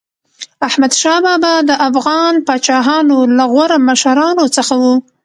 احمدشاه بابا د افغان پاچاهانو له غوره مشرانو څخه و.